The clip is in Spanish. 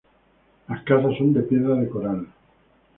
Las casas son de piedra de coral.